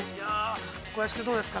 ◆小林君どうですか。